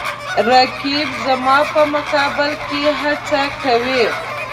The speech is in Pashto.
رقیب زما په مقابل کې هڅه کوي